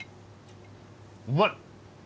うまい！